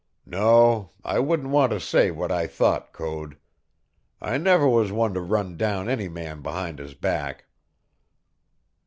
No, I wouldn't want to say what I thought, Code. I never was one to run down any man behind his back!"